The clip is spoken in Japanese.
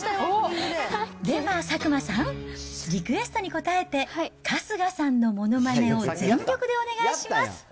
では佐久間さん、リクエストに応えて、春日さんのものまねを全力でお願いします。